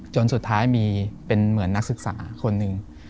จนสุดท้ายมีเป็นเหมือนนักศึกษาคนหนึ่ง